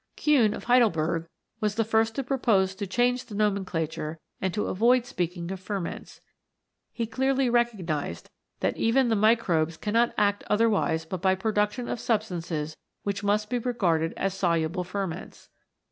Kuhne, of Heidelberg, was the first to propose to change the nomenclature and to avoid speaking of ferments. He clearly recognised that even the 93 CHEMICAL PHENOMENA IN LIFE microbes cannot act otherwise but by production of substances which must be regarded as Soluble Ferments.